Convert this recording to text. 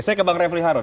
saya ke bang refli harun